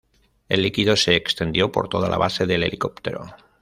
El líquido se extendió por toda la base del helicóptero.